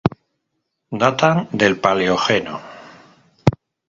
Datan del Paleógeno.